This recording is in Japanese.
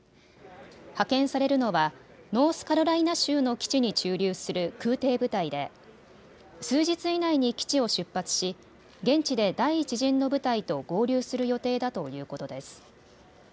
派遣されるのはノースカロライナ州の基地に駐留する空てい部隊で数日以内に基地を出発し、現地で第１陣の部隊と合流する予定だということです。